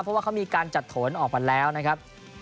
เพราะว่าเขามีการจัดโถนออกมาแล้วนะครับ